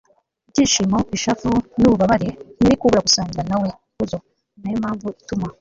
ibyishimo, ishavu n'ububabare, ntiyari kubura gusangira nawe ikuzo. ni nayo mpamvu ituma